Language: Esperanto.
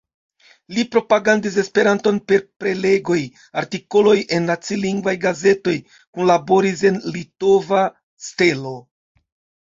Li propagandis Esperanton per prelegoj, artikoloj en nacilingvaj gazetoj, kunlaboris en "Litova Stelo".